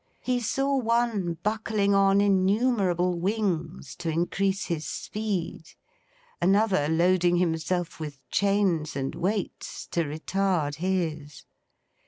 He saw one buckling on innumerable wings to increase his speed; another loading himself with chains and weights, to retard his.